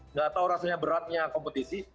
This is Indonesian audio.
nggak tahu rasanya beratnya kompetisi